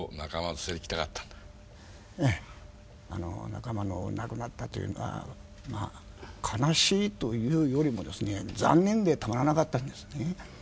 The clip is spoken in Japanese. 仲間の亡くなったというのはまあ悲しいというよりもですね残念でたまらなかったんですね。